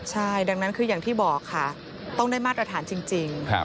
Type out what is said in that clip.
ใช่ดังนั้นคืออย่างที่บอกค่ะต้องได้มาตรฐานจริง